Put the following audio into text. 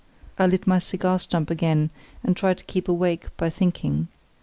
I lit my cigar stump again, and tried to keep awake by thinking.